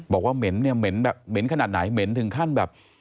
เหม็นเนี่ยเหม็นแบบเหม็นขนาดไหนเหม็นถึงขั้นแบบ